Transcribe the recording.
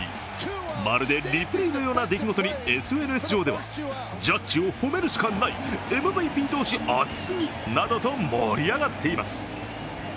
まるでリプレーのような出来事にＳＮＳ上ではジャッジを褒めるしかない、ＭＶＰ同士熱すぎなどと盛り上がっています。